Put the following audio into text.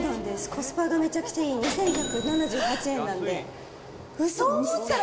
コスパがめちゃくちゃいい、２１７８円なんで。